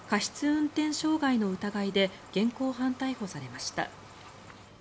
運転傷害の疑いで現行犯逮捕されました。